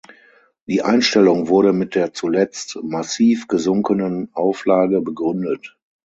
Die Einstellung wurde mit der zuletzt massiv gesunkenen Auflage begründet.